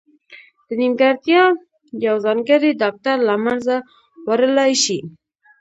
دا نیمګړتیا یو ځانګړی ډاکټر له منځه وړلای شي.